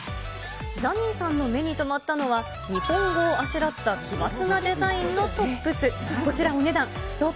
ザニーさんの目に留まったのは、日本語をあしらった奇抜なデザインのトップス。